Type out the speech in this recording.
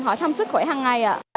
họ thăm sức khỏe hằng ngày ạ